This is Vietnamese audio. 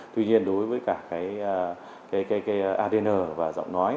tuy nhiên đối với cả căn cước công dân